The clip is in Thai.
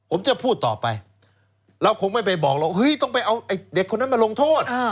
ผมจะพูดต่อไปเราคงไม่ไปบอกหรอกเฮ้ยต้องไปเอาไอ้เด็กคนนั้นมาลงโทษ